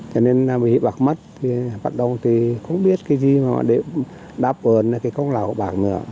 cho nên vì bạc mắt bạc đông thì không biết cái gì mà để đáp ơn cái con lào của bác nữa